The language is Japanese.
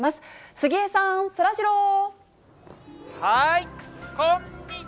杉江さん、そらジロー。